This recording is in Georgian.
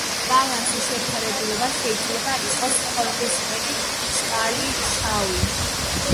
ბალნის შეფერილობა შეიძლება იყოს ხორბლისფერი, ჟღალი, შავი.